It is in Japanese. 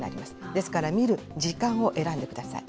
ですから、見る時間を選んでください。